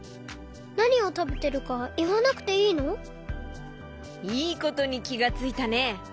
なにをたべてるかいわなくていいの？いいことにきがついたね！